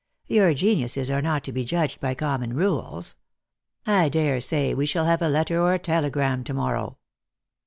Your geniuses are not to be judged by common rules. I dare say we shall have a letter or a telegram to morrow."